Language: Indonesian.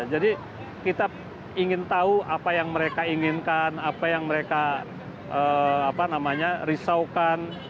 jadi kita ingin tahu apa yang mereka inginkan apa yang mereka risaukan